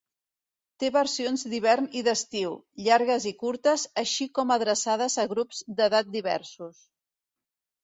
Té versions d'hivern i d'estiu, llargues i curtes, així com adreçades a grups d'edat diversos.